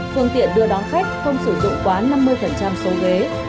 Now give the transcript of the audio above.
phương tiện đưa đón khách không sử dụng quá năm mươi số ghế